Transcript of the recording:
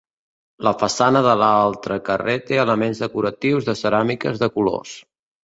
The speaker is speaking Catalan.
La façana de l'altre carrer té elements decoratius de ceràmiques de colors.